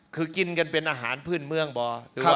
คือกินกันเป็นอาหารพื้นเมืองป่ะ